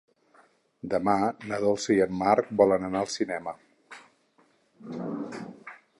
Demà na Dolça i en Marc volen anar al cinema.